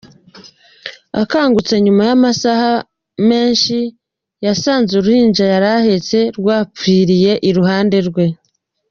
Akangutse nyuma y’amasaha menshi yasanze uruhinja yari ahetse rwapfuye iruhande rwe.